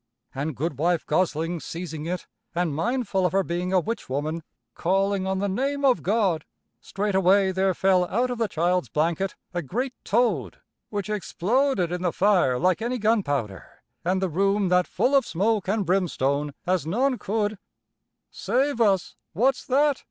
"An' Goodwife Gosling seizing it, an' mindful of her being a witch woman, calling on the name of God, straightway there fell out of the child's blanket a great toad which exploded in the fire like any gunpowder, an' the room that full o' smoke an' brimstone as none could Save us! What's that!" cried Gammer. [Illustration: "'Save us! What's that!'